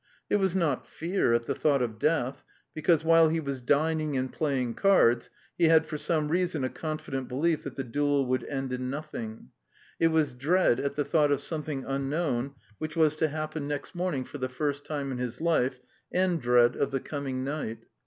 It was not fear at the thought of death, because while he was dining and playing cards, he had for some reason a confident belief that the duel would end in nothing; it was dread at the thought of something unknown which was to happen next morning for the first time in his life, and dread of the coming night.